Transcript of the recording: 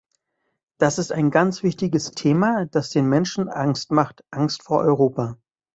Das ist ein ganz wichtiges Thema, das den Menschen Angst macht, Angst vor Europa.